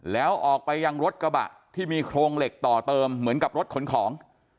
แล้วออกไปยังรถกระบะที่มีโครงเหล็กต่อเติมเหมือนกับรถขนของ